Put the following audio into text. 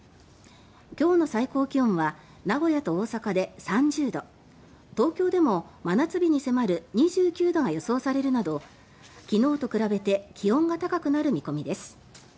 今日の最高気温は名古屋と大阪で３０度東京でも、真夏日に迫る２９度が予想されるなど昨日と比べて気温が高くなる見込みです。